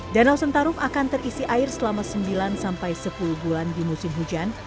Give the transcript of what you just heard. danau sentarrup akan terisi air selama sembilan sampai sepuluh bulan di musim hujan